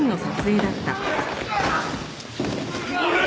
おい！